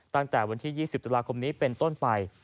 ตั้งแต่วันที่๒๐ตุลาคมนี้เป็นต้นไป